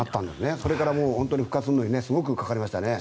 それから復活するのにすごくかかりましたね。